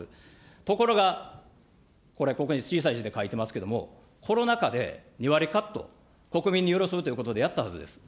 ところがこれ、ここに小さい字で書いてますけれども、コロナ禍で２割カット、国民に寄り添うということでやったはずです。